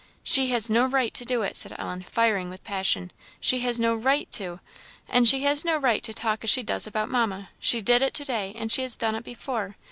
She has no right to do it," said Ellen, firing with passion; "she has no right to! and she has no right to talk as she does about Mamma. She did it to day, and she has done it before.